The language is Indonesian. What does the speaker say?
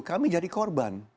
kami jadi korban